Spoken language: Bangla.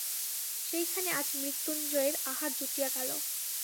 সেইখানে আজ মৃত্যুঞ্জয়ের আহার জুটিয়া গেল।